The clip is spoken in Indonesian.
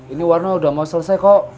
ini warna udah mau selesai kok